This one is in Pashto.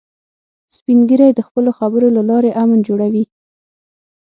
سپین ږیری د خپلو خبرو له لارې امن جوړوي